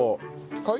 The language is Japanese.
はい？